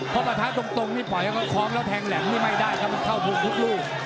เพราะประทานตรงไม่ปล่อยให้เขาคล้องแล้วแทงแหล่งไม่ได้ครับเข้าผูกลุกลูก